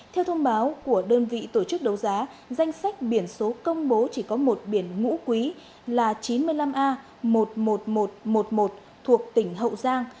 theo thông báo của đơn vị tổ chức đấu giá danh sách biển số công bố chỉ có một biển ngũ quý là chín mươi năm a một mươi một nghìn một trăm một mươi một thuộc tỉnh hậu giang